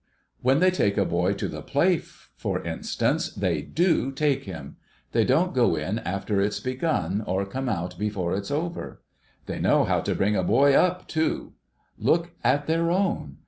When they take a boy to the play, for instance, they do take him. They don't go in after it's begun, or come out before it's over. They know how to bring a boy up, too. Look at their own